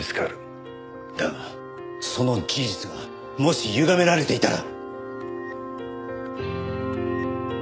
だがその事実がもしゆがめられていたら。